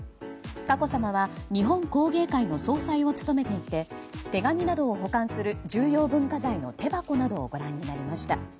佳子さまは日本工芸会の総裁を務めていて手紙などを保管する重要文化財の手箱などをご覧になりました。